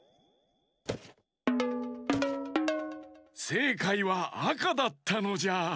せいかいはあかだったのじゃ。